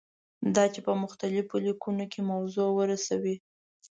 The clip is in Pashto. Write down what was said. دا چې په مختلفو لیکنو کې موضوع ورسوي.